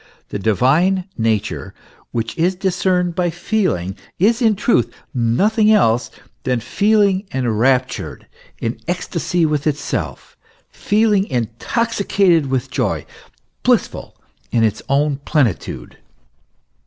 The divine nature which is discerned by feeling, is in truth nothing else than feeling enraptured, in ecstasy with itself feeling intoxicated with joy, blissful in its own plenitude.